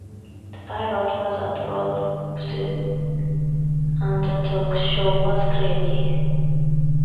The pilot was approved and the talk show was created.